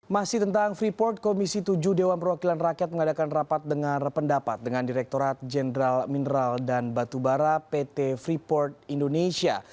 masih tentang freeport komisi tujuh dewan perwakilan rakyat mengadakan rapat dengar pendapat dengan direkturat jenderal mineral dan batubara pt freeport indonesia